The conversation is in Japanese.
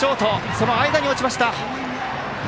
その間に落ちました。